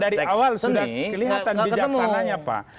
dari awal sudah kelihatan bijaksananya pak